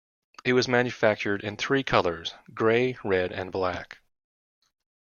It was manufactured in three colors: grey, red, and black.